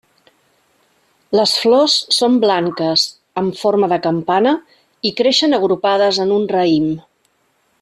Les flors són blanques, amb forma de campana i creixen agrupades en un raïm.